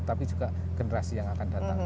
tapi juga generasi yang akan datang